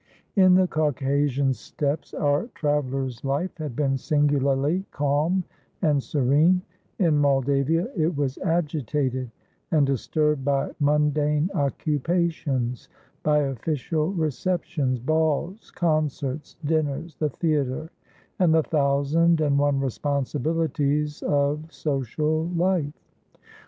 In the Caucasian steppes our traveller's life had been singularly calm and serene; in Moldavia it was agitated and disturbed by mundane occupations, by official receptions, balls, concerts, dinners, the theatre, and the thousand and one responsibilities of social life.